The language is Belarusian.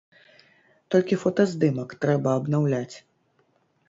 Толькі фотаздымак трэба абнаўляць.